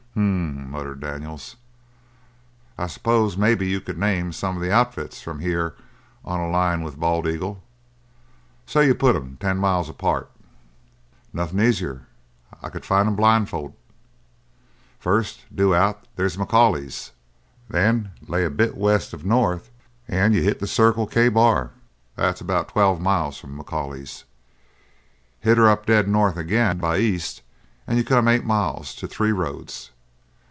"H m m!" muttered Daniels. "I s'pose maybe you could name some of the outfits from here on a line with Bald Eagle say you put 'em ten miles apart?" "Nothin' easier. I could find 'em blindfold. First due out they's McCauley's. Then lay a bit west of north and you hit the Circle K Bar that's about twelve mile from McCauley's. Hit 'er up dead north again, by east, and you come eight miles to Three Roads.